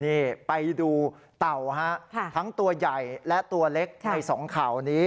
นี่ไปดูเต่าฮะทั้งตัวใหญ่และตัวเล็กในสองข่าวนี้